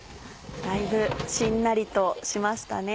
だいぶしんなりとしましたね。